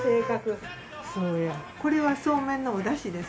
これはそうめんのおだしです。